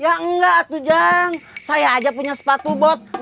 ya enggak tuh ajeng saya aja punya sepatu bos